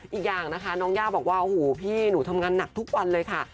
อีกอย่างนะคะน้องย่าบอกว่าโอ้โหพี่หนูทำงานหนักทุกวันเลยค่ะ